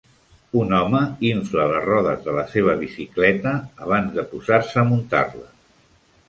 Un home infla les rodes de la seva bicicleta abans de posar-se a muntar-la.